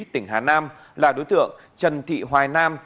tỉnh hà nam là đối tượng trần thị hoài nam